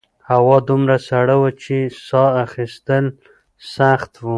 هوا دومره سړه وه چې سا ایستل سخت وو.